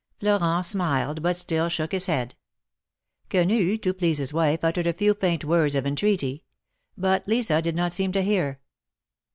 Florent smiled, but still shook his head. Quenu, to please his wife, uttered a few faint words of entreaty ; but Lisa did not seem to hear.